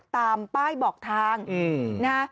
ตามป้ายบอกทางนะ